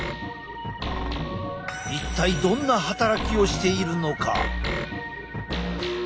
一体どんな働きをしているのか？